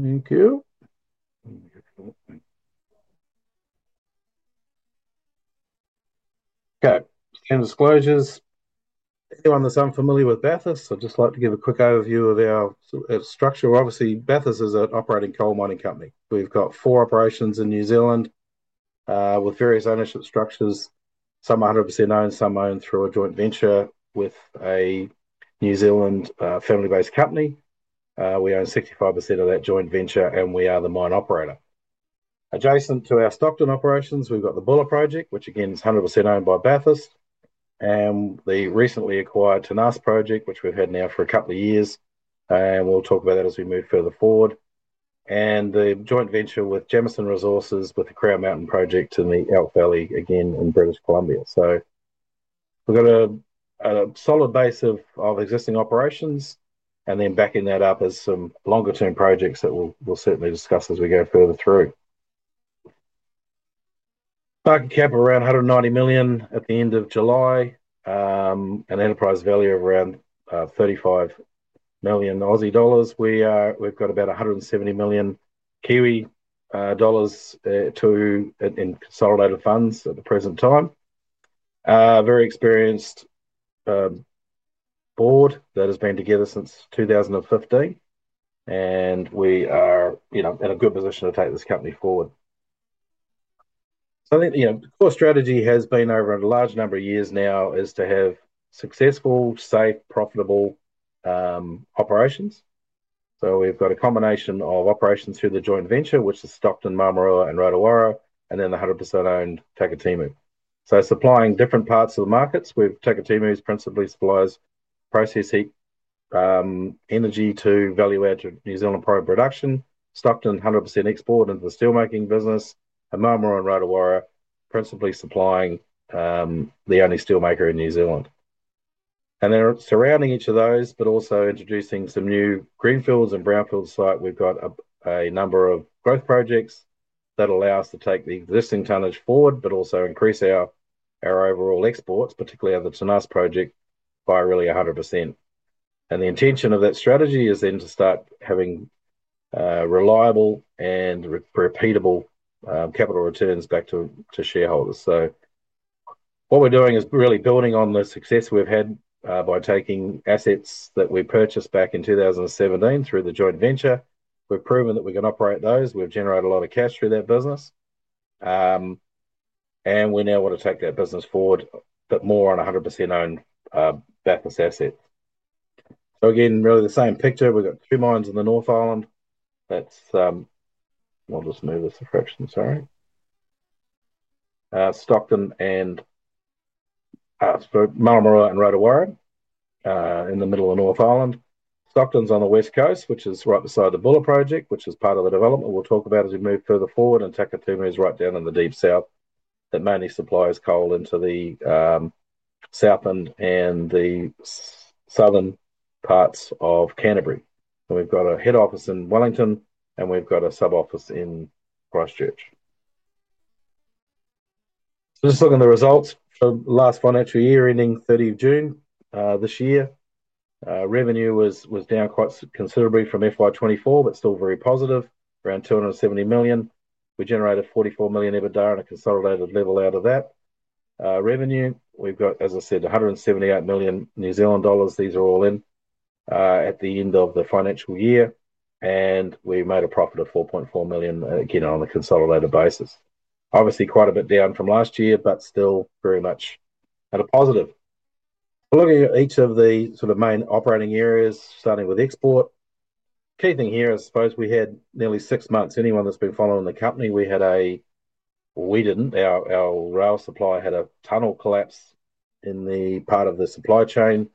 Thank you. Okay, end disclosures. If you're not familiar with Bathurst, I'd just like to give a quick overview of our structure. Obviously, Bathurst is an operating coal mining company. We've got four operations in New Zealand, with various ownership structures. Some 100% owned, some owned through a joint venture with a New Zealand family-based company. We own 65% of that joint venture and we are the mine operator. Adjacent to our Stockton operations, we've got the Buller Coal Limited project, which again is 100% owned by Bathurst, and the recently acquired Tenas project, which we've had now for a couple of years, and we'll talk about it as we move further forward. The joint venture with Jameson Resources with the Crown Mountain project in the Elk Valley, again in British Columbia, Canada. We've got a solid base of existing operations and then backing that up are some longer-term projects that we'll certainly discuss as we go further through. Market capitalization around $190 million at the end of July, and enterprise value of around 35 million Aussie dollars. We've got about 170 million Kiwi dollars too in consolidated funds at the present time. A very experienced board that has been together since 2015, and we are, you know, in a good position to take this company forward. I think, you know, core strategy has been over a large number of years now is to have successful, safe, profitable operations. We've got a combination of operations through the joint venture, which is Stockton, Maramarua, and Rotowaro, and then the 100% owned Takitimu. Supplying different parts of the markets, we've Takitimu principally supplies processing energy to value add to New Zealand production, Stockton 100% export into the steelmaking business, and Maramarua and Rotowaro principally supplying the only steelmaker in New Zealand. Surrounding each of those, but also introducing some new greenfield and brownfield sites, we've got a number of growth projects that allow us to take the existing tonnage forward, but also increase our overall exports, particularly on the Tenas project, by really 100%. The intention of that strategy is then to start having reliable and repeatable capital returns back to shareholders. What we're doing is really building on the success we've had by taking assets that we purchased back in 2017 through the joint venture. We've proven that we can operate those. We've generated a lot of cash through that business. We now want to take that business forward, but more on a 100% owned, Bathurst asset. Again, really the same picture. We've got two mines in the North Island. Stockton and Maramarua and Rotowaro, in the middle of the North Island. Stockton's on the West Coast, which is right beside the Buller project, which is part of the development we'll talk about as we move further forward, and Takitimu is right down in the deep South. That mainly supplies coal into the South end and the Southern parts of Canterbury. We've got a head office in Wellington, and we've got a sub-office in Christchurch. Just looking at the results, last financial year ending 30th June this year, revenue was down quite considerably from FY24, but still very positive, around $270 million. We generated $44 million EBITDA on a consolidated level out of that revenue. We've got, as I said, 178 million New Zealand dollars. These are all in at the end of the financial year. We made a profit of $4.4 million, again, on a consolidated basis. Obviously,` quite a bit down from last year, but still very much at a positive. Looking at each of the sort of main operating areas, starting with export, the key thing here is, I suppose we had nearly six months, anyone that's been following the company, our rail supplier had a tunnel collapse in the part of the supply chain.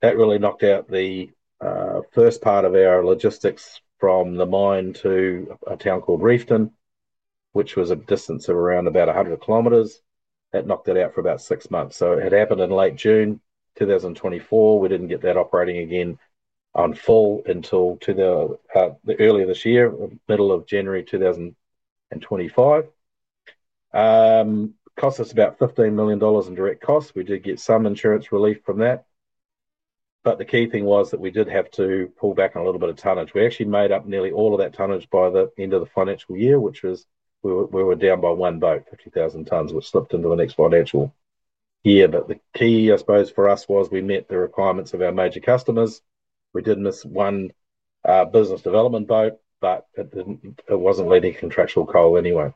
That really knocked out the first part of our logistics from the mine to a town called Reefton, which was a distance of around about 100 km. That knocked it out for about six months. It happened in late June 2024. We didn't get that operating again on full until early this year, middle of January 2025. Cost us about $15 million in direct costs. We did get some insurance relief from that. The key thing was that we did have to pull back on a little bit of tonnage. We actually made up nearly all of that tonnage by the end of the financial year, which was, we were down by one boat, 50,000 tons, which slipped into the next financial year. The key, I suppose, for us was we met the requirements of our major customers. We did miss one business development boat, but it wasn't leading contractual coal anyway.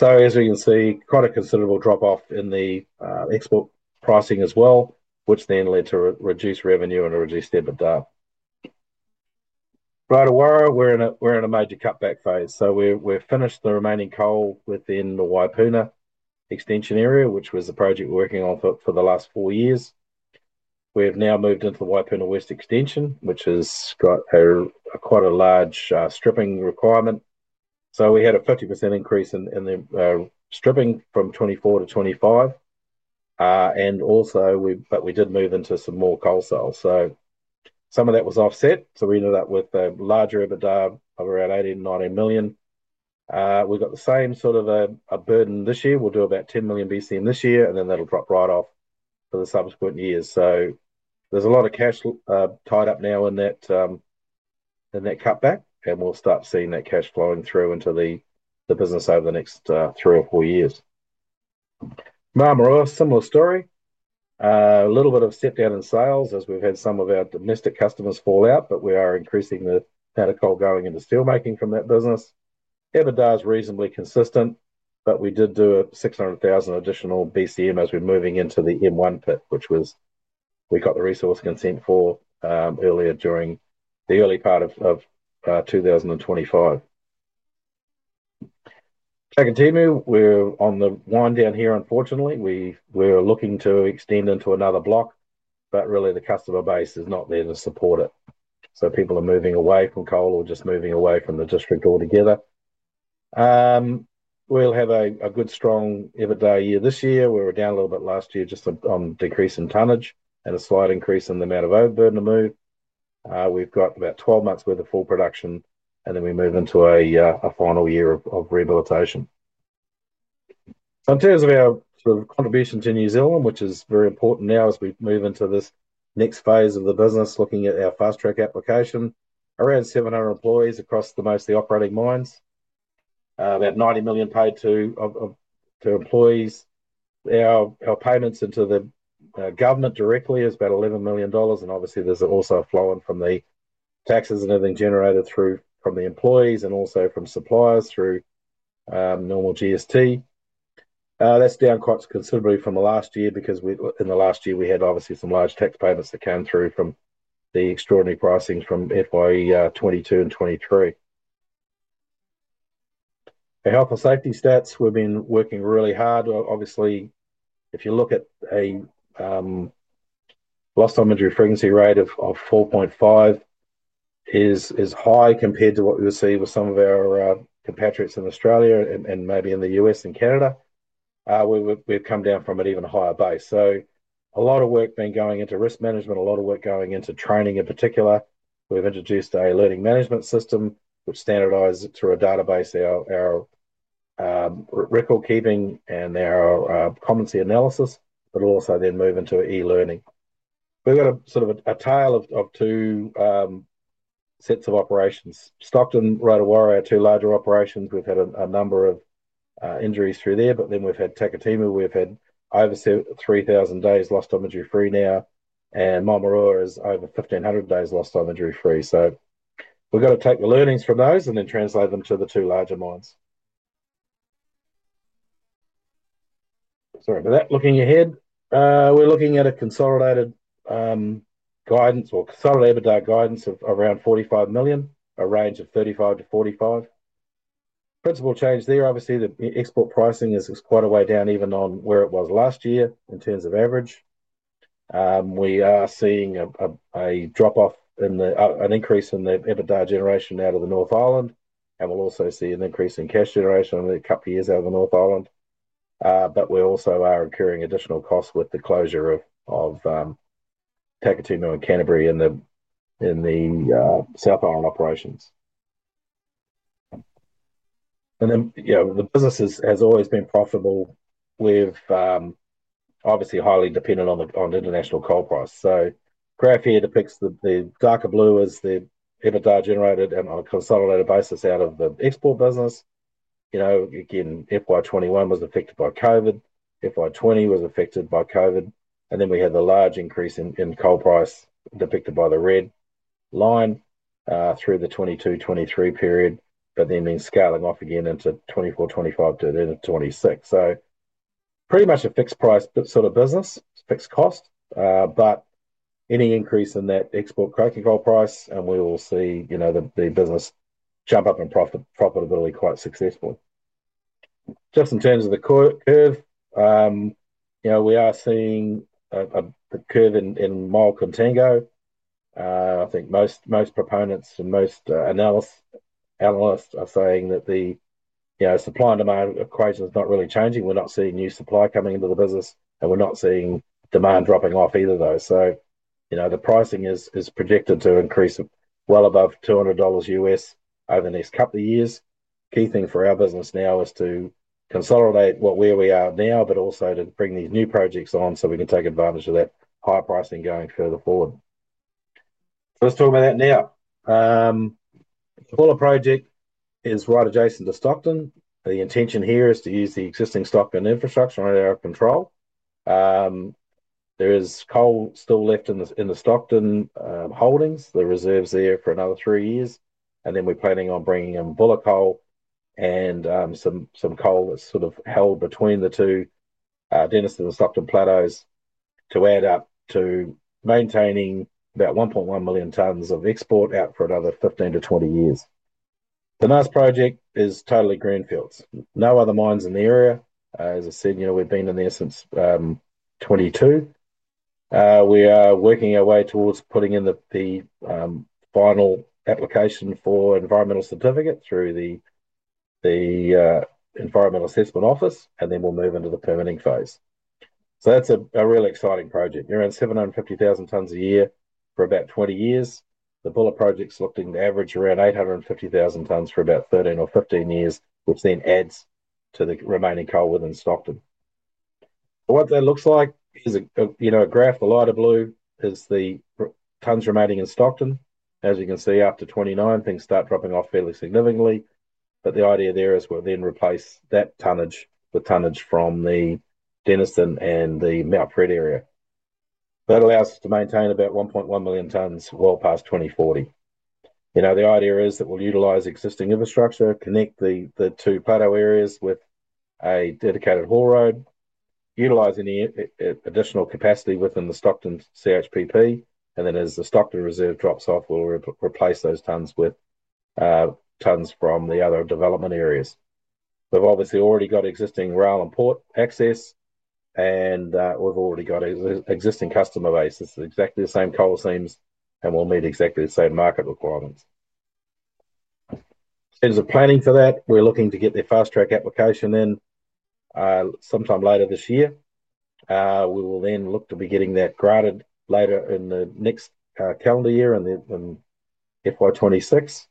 As we can see, quite a considerable drop-off in the export pricing as well, which then led to reduced revenue and a reduced EBITDA. Rotowaro, we're in a major cutback phase. We've finished the remaining coal within the Waipuna extension area, which was the project we're working on for the last four years. We've now moved into the Waipuna West extension, which has got quite a large stripping requirement. We had a 50% increase in the stripping from 2024 to 2025. We did move into some more coal sales, so some of that was offset. We ended up with a larger EBITDA of around $80 to $90 million. We've got the same sort of a burden this year. We'll do about 10 million BCM this year, and then that'll drop right off for the subsequent years. There's a lot of cash tied up now in that cutback, and we'll start seeing that cash flowing through into the business over the next three or four years. Marlborough, similar story. A little bit of sit-down in sales as we've had some of our domestic customers fall out, but we are increasing the amount of coal going into steelmaking from that business. EBITDA is reasonably consistent, but we did do a 600,000 additional BCM as we're moving into the M1 pit, which we got the resource consent for earlier during the early part of 2025. Takitimu, we're on the wind down here, unfortunately. We're looking to extend into another block, but really the customer base is not there to support it. People are moving away from coal or just moving away from the district altogether. We'll have a good, strong EBITDA year this year. We were down a little bit last year just on decrease in tonnage and a slight increase in the amount of overburden to move. We've got about 12 months' worth of full production, and then we move into a final year of rehabilitation. In terms of our contribution to New Zealand, which is very important now as we move into this next phase of the business, looking at our Fast-track Act application, around 700 employees across most of the operating mines. About $90 million paid to employees. Our payments into the government directly is about $11 million, and obviously, there's also a flow in from the taxes and everything generated from the employees and also from suppliers through normal GST. That's down quite considerably from last year because in the last year, we had some large tax payments that came through from the extraordinary pricing from FY 2022 and 2023. Alcohol safety stats, we've been working really hard. Obviously, if you look at a lost-time injury frequency rate of 4.5, it is high compared to what we'll see with some of our compatriots in Australia and maybe in the U.S. and Canada. We've come down from an even higher base. A lot of work then going into risk management, a lot of work going into training in particular. We've introduced a learning management system which standardizes it through a database, our record keeping and our common analysis, but also then move into e-learning. We've got a sort of a tale of two sets of operations. Stockton and Rotowaro are two larger operations. We've had a number of injuries through there, but then we've had Takitimu. We've had over 3,000 days lost on the duty-free now, and Maramarua is over 1,500 days lost on the duty-free. We've got to take the learnings from those and then translate them to the two larger mines. Looking ahead, we're looking at a consolidated guidance of around $45 million, a range of $35 million-$45 million. Principal change there, obviously, the export pricing is quite a way down even on where it was last year in terms of average. We are seeing a drop-off in the increase in the EBITDA generation out of the North Island, and we'll also see an increase in cash generation over the couple of years out of the North Island. We also are incurring additional costs with the closure of Takitimu and Canterbury in the South Island operations. The business has always been profitable. We're obviously highly dependent on the international coal price. The graph here depicts the darker blue as the EBITDA generated on a consolidated basis out of the export business. Again, FY 2021 was affected by COVID, FY 2020 was affected by COVID, and then we had the large increase in coal price depicted by the red line through the 2022-2023 period, but then the scaling off again into 2024, 2025 to the end of 2026. Pretty much a fixed price sort of business, fixed cost, but any increase in that export cracking coal price, and we will see the business jump up in profitability quite successfully. Just in terms of the curve, we are seeing the curve in mild contango. I think most proponents and most analysts are saying that the supply and demand equation is not really changing. We're not seeing new supply coming into the business, and we're not seeing demand dropping off either though. The pricing is projected to increase well above $200 over the next couple of years. The key thing for our business now is to consolidate where we are now, but also to bring these new projects on so we can take advantage of that high pricing going further forward. Let's talk about it now. The Buller project is right adjacent to Stockton. The intention here is to use the existing Stockton infrastructure under our control. There is coal still left in the Stockton holdings. The reserves are there for another three years, and then we're planning on bringing in Buller coal and some coal that's sort of held between the two Denniston and the Stockton plateaus to add up to maintaining about 1.1 million tons of export out for another 15-20 years. The Tenas project is totally greenfield. No other mines in the area. As I said, we've been in there since 2022. We are working our way towards putting in the final application for environmental certificate through the Environmental Assessment Office, and then we'll move into the permitting phase. That's a real exciting project. You're on 750,000 tons a year for about 20 years. The Buller project's looking to average around 850,000 tons for about 13 or 15 years, which then adds to the remaining coal within Stockton. What that looks like is a graph. The lighter blue is the tons remaining in Stockton. As you can see, after 2029, things start dropping off fairly significantly. The idea there is we'll then replace that tonnage with tonnage from the Denniston and the Mount Fred area. That allows us to maintain about 1.1 million tons well past 2040. The idea is that we'll utilize existing infrastructure and connect the two plateau areas with a dedicated haul road, utilizing the additional capacity within the Stockton CHPP. As the Stockton reserve drops off, we'll replace those tons with tons from the other development areas. We've obviously already got existing rail and port access, and we've already got an existing customer base. It's exactly the same coal seams, and we'll meet exactly the same market requirements. In the planning for that, we're looking to get the Fast-track Act application in sometime later this year. We will then look to be getting that granted later in the next calendar year and FY 2026.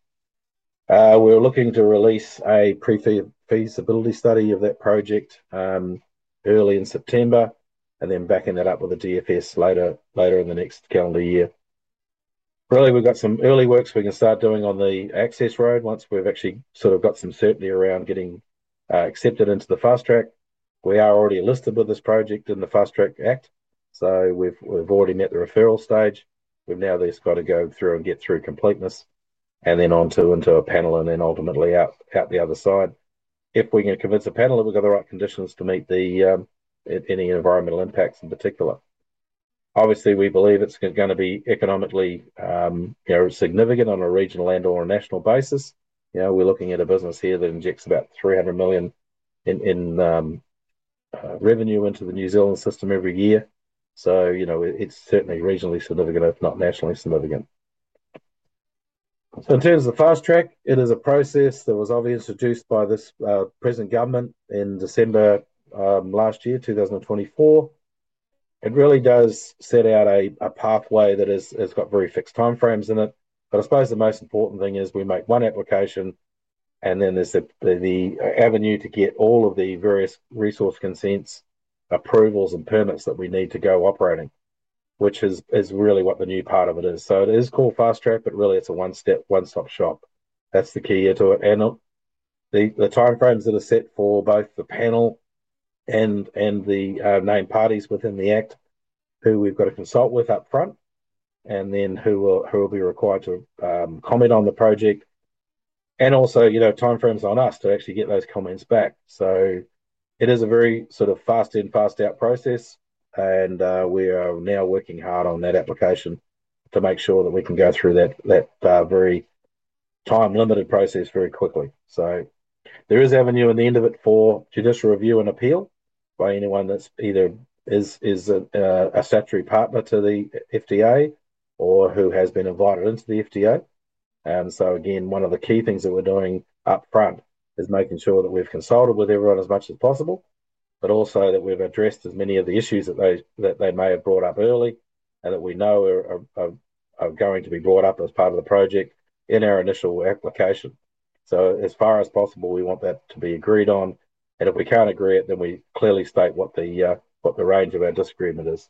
We're looking to release a prefeasibility study of that project early in September and then backing that up with the DFS later in the next calendar year. Really, we've got some early works we can start doing on the access road once we've actually sort of got some certainty around getting accepted into the fast-track. We are already listed with this project in the Fast-track Act. We've already met the referral stage. We've now just got to go through and get through completeness and then on to into a panel and then ultimately out the other side. If we can convince the panel that we've got the right conditions to meet any environmental impacts in particular. Obviously, we believe it's going to be economically significant on a regional and/or a national basis. We're looking at a business here that injects about $300 million in revenue into the New Zealand system every year. It's certainly regionally significant, if not nationally significant. In terms of the fast-track, it is a process that was obviously introduced by this present government in December last year, 2024. It really does set out a pathway that has got very fixed timeframes in it. I suppose the most important thing is we make one application and then there's the avenue to get all of the various resource consents, approvals, and permits that we need to go operating, which is really what the new part of it is. It is called fast-track, but really it's a one-step, one-stop shop. That's the key to it. The timeframes that are set for both the panel and the main parties within the Act, who we've got to consult with up front, and then who will be required to comment on the project. Also, timeframes on us to actually get those comments back. It is a very sort of fast in, fast out process. We are now working hard on that application to make sure that we can go through that very time-limited process very quickly. There is avenue at the end of it for judicial review and appeal by anyone that either is a statutory partner to the FTA or who has been invited into the FTA. Again, one of the key things that we're doing up front is making sure that we've consulted with everyone as much as possible, but also that we've addressed as many of the issues that they may have brought up early and that we know are going to be brought up as part of the project in our initial application. As far as possible, we want that to be agreed on. If we can't agree it, then we clearly state what the range of our disagreement is.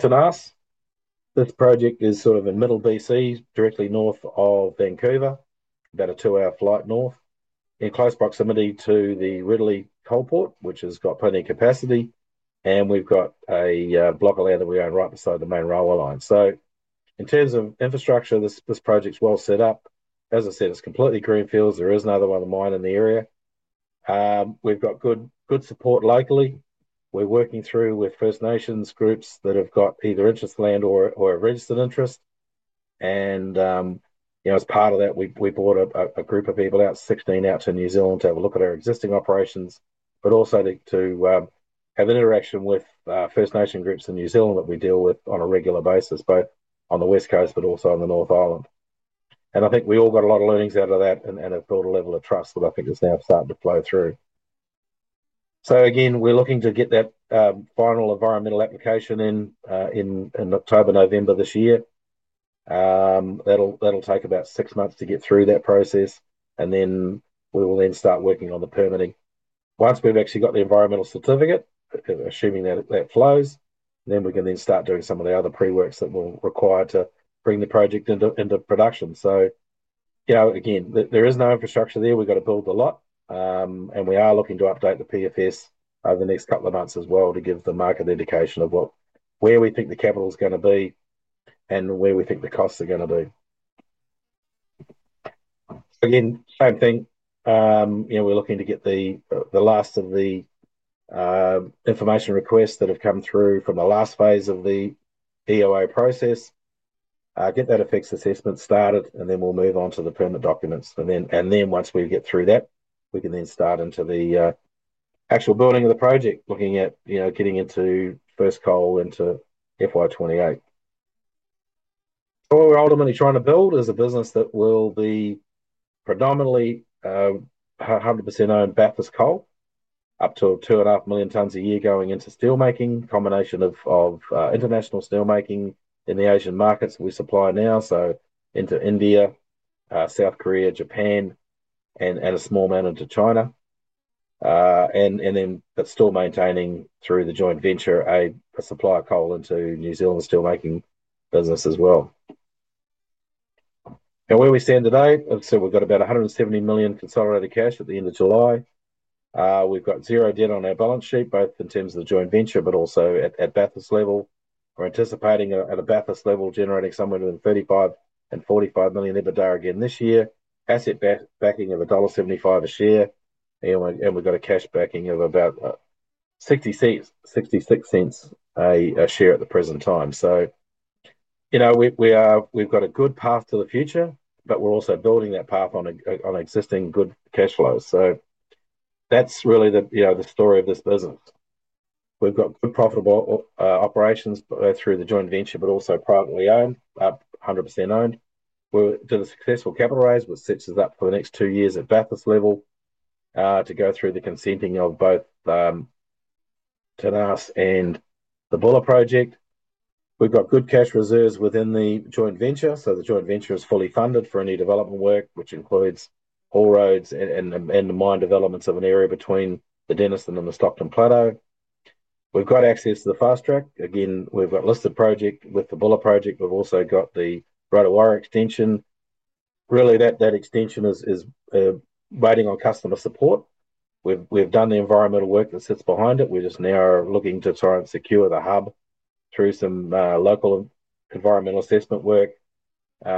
To us, this project is sort of in middle B.C., directly north of Vancouver, about a two-hour flight North, in close proximity to the Ridley coal port, which has got plenty of capacity. We've got a block of land that we own right beside the main railway line. In terms of infrastructure, this project's well set up. As I said, it's completely greenfield. There is another one of the mine in the area. We've got good support locally. We're working through with First Nations groups that have got either interest land or a registered interest. As part of that, we brought a group of people out, 16 out to New Zealand, to have a look at our existing operations, but also to have interaction with First Nation groups in New Zealand that we deal with on a regular basis, both on the West Coast and also on the North Island. I think we all got a lot of learnings out of that and have built a level of trust that I think is now starting to flow through. We're looking to get that final environmental application in October or November this year. That'll take about six months to get through that process. We will then start working on the permitting. Once we've actually got the environmental certificate, assuming that that flows, we can then start doing some of the other pre-works that we'll require to bring the project into production. There is no infrastructure there. We've got to build a lot. We are looking to update the PFS over the next couple of months as well to give the market an indication of where we think the capital is going to be and where we think the costs are going to be. We're looking to get the last of the information requests that have come through from the last phase of the EOA process, get that effects assessment started, and then we'll move on to the permanent documents. Once we get through that, we can then start into the actual building of the project, looking at getting into first coal into FY 2028. What we're ultimately trying to build is a business that will be predominantly 100%-owned Bathurst coal, up to 2.5 million tons a year going into steelmaking, a combination of international steelmaking in the Asian markets that we supply now, so into India, South Korea, Japan, and a small amount into China, and still maintaining through the joint venture a supply of coal into New Zealand's steelmaking business as well. Where we stand today, we've got about $170 million consolidated cash at the end of July. We've got zero debt on our balance sheet, both in terms of the joint venture, but also at Bathurst level. We're anticipating at a Bathurst level generating somewhere between $35 million and $45 million EBITDA again this year, basic backing of $1.75 a share, and we've got a cash backing of about $0.66 a share at the present time. We've got a good path to the future, but we're also building that path on existing good cash flows. That's really the story of this business. We've got good profitable operations both through the joint venture, but also privately owned, 100% owned. We're to the successful capital raise with sixes up for the next two years at Bathurst level to go through the consenting of both Tenas and the Buller project. We've got good cash reserves within the joint venture. The joint venture is fully funded for any development work, which includes all roads and the mine developments of an area between the Denniston and the Stockton plateau. We've got access to the Fast-track. We've got a listed project with the Buller project. We've also got the Rotowaro extension. That extension is waiting on customer support. We've done the environmental work that sits behind it. We're just now looking to try and secure the hub through some local environmental assessment work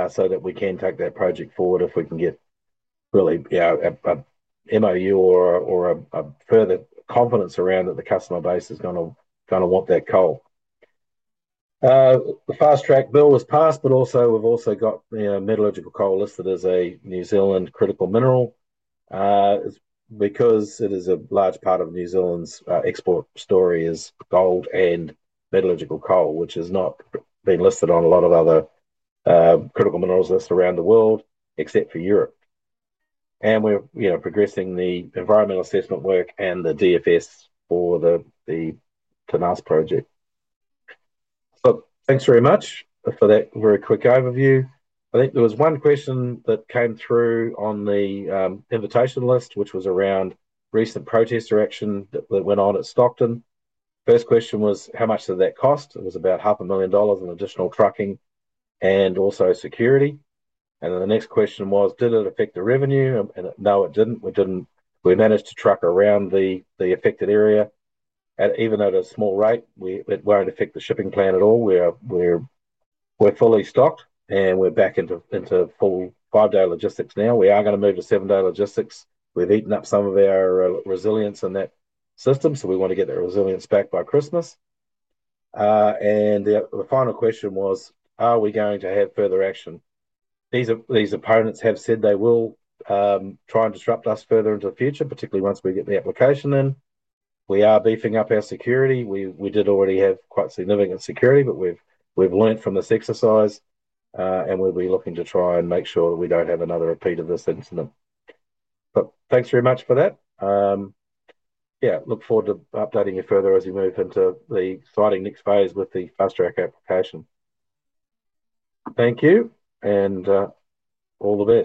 so that we can take that project forward if we can get really an MOU or a further confidence around that the customer base is going to want that coal. The Fast-track bill was passed, and we've also got metallurgical coal listed as a New Zealand critical mineral because it is a large part of New Zealand's export story, gold and metallurgical coal, which has not been listed on a lot of other critical minerals lists around the world except for Europe. We're progressing the environmental assessment work and the DFS for the Tenas project. Thanks very much for that very quick overview. I think there was one question that came through on the invitation list, which was around recent protester action that went on at Stockton. The first question was, how much did that cost? It was about $0.5 million in additional trucking and also security. The next question was, did it affect the revenue? No, it didn't. We managed to truck around the affected area. Even at a small rate, it won't affect the shipping plan at all. We're fully stocked, and we're back into full five-day logistics now. We are going to move to seven-day logistics. We've eaten up some of our resilience in that system, so we want to get that resilience back by Christmas. The final question was, are we going to have further action? These opponents have said they will try and disrupt us further into the future, particularly once we get the application in. We are beefing up our security. We did already have quite significant security, but we've learned from this exercise, and we'll be looking to try and make sure that we don't have another repeat of this incident. Thanks very much for that. Yeah, look forward to updating you further as we move into the exciting next phase with the Fast-track Act application. Thank you and all the best.